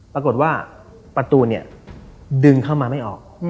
ปรากฏว่าประตูเนี่ยดึงเข้ามาไม่ออก